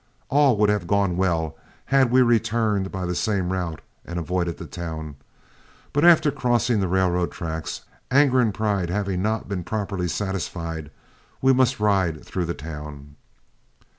All would have gone well had we returned by the same route and avoided the town; but after crossing the railroad track, anger and pride having not been properly satisfied, we must ride through the town.